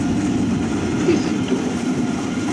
I teddum?